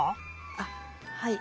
あっはい。